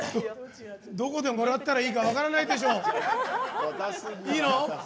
どこでもらったらいいかわからないでしょ！